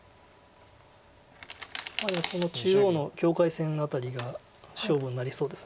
でも中央の境界線辺りが勝負になりそうです。